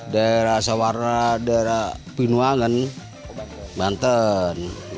daerah sawarna daerah pinuangan banten